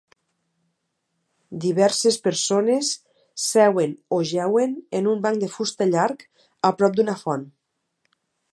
Diverses persones seuen o jeuen en un banc de fusta llarg a prop d'una font.